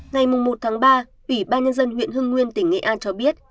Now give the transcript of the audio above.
ngày một tháng ba ủy ban nhân dân huyện hưng nguyên tỉnh nghệ an cho biết